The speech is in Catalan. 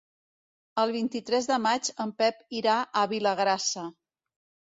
El vint-i-tres de maig en Pep irà a Vilagrassa.